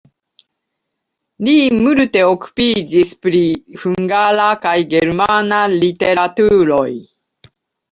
Li multe okupiĝis pri hungara kaj germana literaturoj.